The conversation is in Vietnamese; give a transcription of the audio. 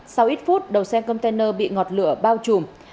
sau ít phút đầu xe container bị ngọt lửa bao trùm